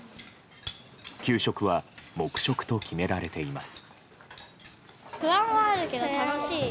給食は黙食と決められています。